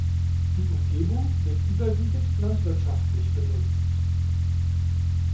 Die Umgebung wird überwiegend landwirtschaftlich benutzt.